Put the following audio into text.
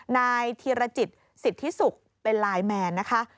นายธีรจิตสิทธิสุขเป็นไลน์แมนนะคะ